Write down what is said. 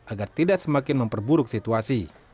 agar tidak semakin memperburuk situasi